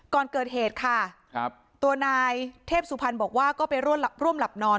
ก่อนเกิดเหตุค่ะครับตัวนายเทพสุพรรณบอกว่าก็ไปร่วมหลับนอน